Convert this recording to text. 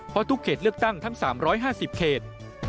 เพราะทุกเขตเลือกตั้งทั้ง๓๕๐เขต